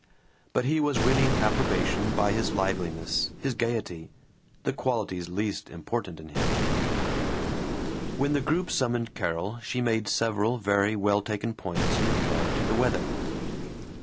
But he was winning approbation by his liveliness, his gaiety the qualities least important in him. When the group summoned Carol she made several very well taken points in regard to the weather.